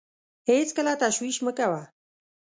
هېڅکله تشویش مه کوه .